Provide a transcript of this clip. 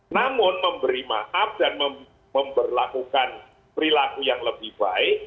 namun memberi maaf dan memperlakukan perilaku yang lebih baik